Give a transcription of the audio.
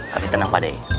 tapi tenang pak de